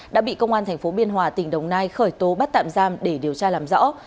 đã bị công an tp biên hòa tỉnh đồng nai khởi tố bắt tạm giam để điều tra làm rõ